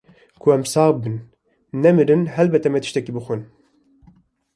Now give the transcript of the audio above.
Ku em sax bin nemrin helbet em ê tiştekî bixwin.